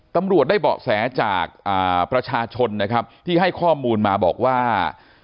ตำรวจได้เบาะแสจากประชาชนนะครับที่ให้ข้อมูลมาบอกว่า